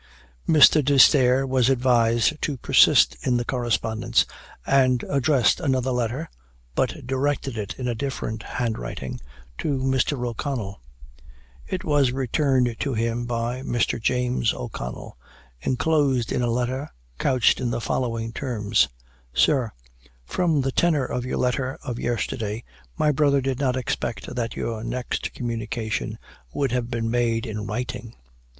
Mr. D'Esterre was advised to persist in the correspondence, and addressed another letter (but directed in a different hand writing), to Mr. O'Connell. It was returned to him by Mr. James O'Connell, inclosed in a letter couched in the following terms: "Sir From the tenor of your letter of yesterday, my brother did not expect that your next communication would have been made in writing.